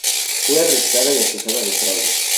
Fue arrestada y acusada de fraude.